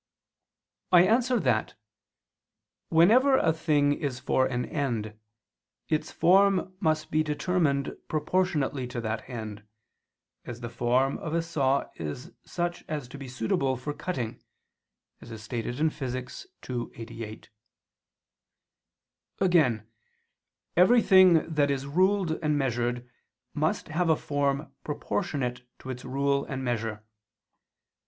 I answer that, Whenever a thing is for an end, its form must be determined proportionately to that end; as the form of a saw is such as to be suitable for cutting (Phys. ii, text. 88). Again, everything that is ruled and measured must have a form proportionate to its rule and measure.